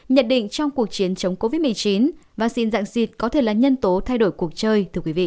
nhận định trong cuộc chiến chống covid một mươi chín vaccine dạng dịch có thể là nhân tố thay đổi cuộc chơi